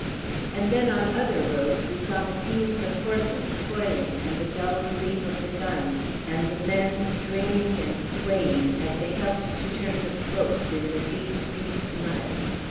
And then on other roads we saw the teams of horses toiling and the dull gleam of the guns, and the men straining and swaying as they helped to turn the spokes in the deep, deep mud.